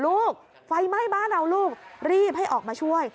ลูกไฟไหม้บ้านเอาลูกรีบให้ออกมาช่วย